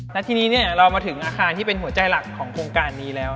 และทีนี้เรามาถึงอาคารที่เป็นหัวใจหลักของโครงการนี้แล้ว